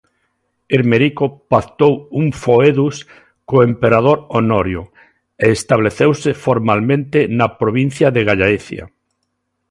Hermerico pactou un foedus co emperador Honorio e estableceuse formalmente na provincia de Gallaecia.